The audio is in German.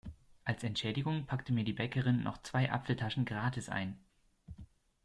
Als Entschädigung packte mir die Bäckerin noch zwei Apfeltaschen gratis ein.